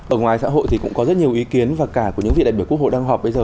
ở ngoài xã hội thì cũng có rất nhiều ý kiến và cả của những vị đại biểu quốc hội đang họp bây giờ